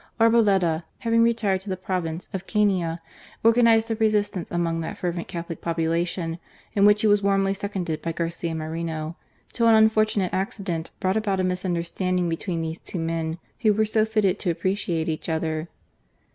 Arboleda having retired to the province of Canea, organized a resistance among that fervent Catholic population, in which he was warmly seconded by Garcia Moreno, till an unfortunate accident brought about a misunderstanding between these two men who were so fitted to appreciate each other.